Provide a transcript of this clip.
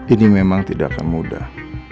ini memang tidak akan mudah